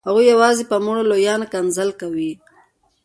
هغوی یوازې په مړو لویان ښکنځل کوي.